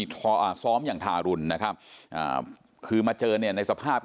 คือสิ่งที่เราติดตามคือสิ่งที่เราติดตาม